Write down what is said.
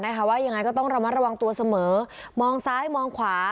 ว่ายังไงก็ต้องระมัดระวังตัวเสมอมองซ้ายมองขวา